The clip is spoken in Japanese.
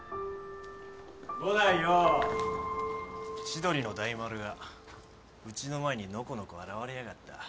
千鳥の大丸がうちの前にのこのこ現れやがった。